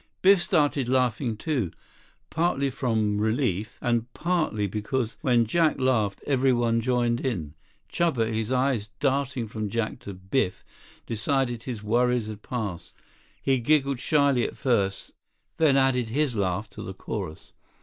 Biff started laughing, too, partly from relief, and partly because when Jack laughed everyone joined in. Chuba, his eyes darting from Jack to Biff, decided his worries had passed. He giggled shyly at first, then added his high laugh to the chorus.